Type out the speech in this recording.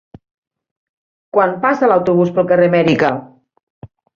Quan passa l'autobús pel carrer Amèrica?